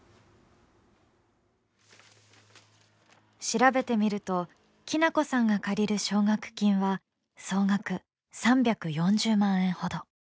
調べてみるときなこさんが借りる奨学金は総額３４０万円ほど。